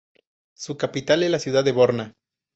Su capital es la ciudad de Borna.